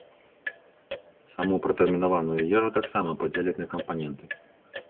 Саму пратэрмінаваную ежу таксама падзеляць на кампаненты.